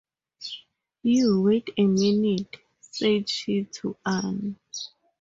“You wait a minute,” said she to Annie.